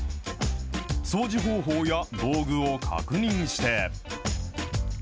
掃除方法や道具を確認して。